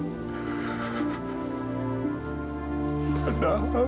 apa kita akan cuam